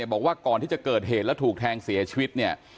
บอกว่าก่อนที่จะเกิดเหตุแล้วถูกแทงเสียชีวิตเนี่ย